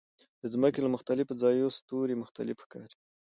د ځمکې له مختلفو ځایونو ستوري مختلف ښکاري.